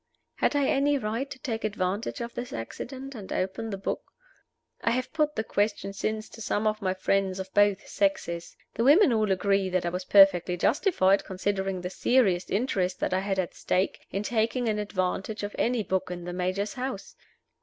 Had I any right to take advantage of this accident, and open the book? I have put the question since to some of my friends of both sexes. The women all agree that I was perfectly justified, considering the serious interests that I had at stake, in taking any advantage of any book in the Major's house.